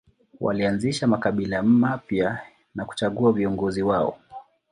Walianzisha makabila mapya na kuchagua viongozi wao.